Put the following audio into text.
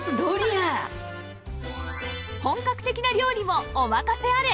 本格的な料理もお任せあれ！